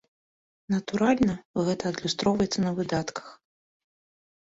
Натуральна, гэта адлюстроўваецца на выдатках.